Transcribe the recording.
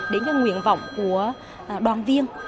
đến cái nguyện vọng của đoàn viên